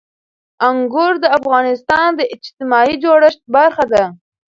انګور د افغانستان د اجتماعي جوړښت برخه ده.